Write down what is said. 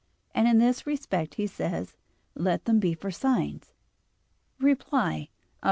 And in this respect he says: "Let them be for signs." Reply Obj.